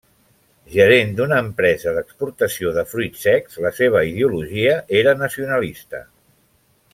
Gerent d'una empresa d'exportació de fruits secs, la seva ideologia era nacionalista.